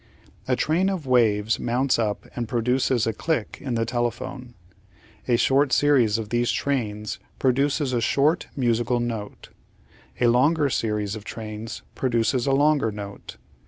A train of waves mounts up and produces a click in the telephone. A short series of these trains produces a short musical note; a longer series of trains produces a longer note.